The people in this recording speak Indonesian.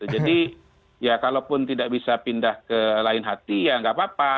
jadi ya kalau pun tidak bisa pindah ke lain hati ya nggak apa apa